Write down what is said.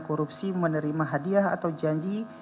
korupsi menerima hadiah atau janji